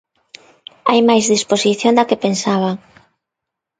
Hai máis disposición da que pensaba.